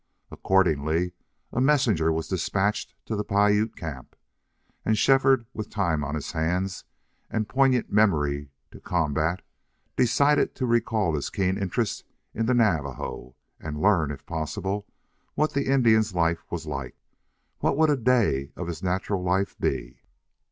Accordingly, a messenger was despatched to the Piute camp. And Shefford, with time on his hands and poignant memory to combat, decided to recall his keen interest in the Navajo, and learn, if possible, what the Indian's life was like. What would a day of his natural life be?